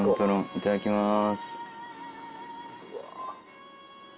いただきます。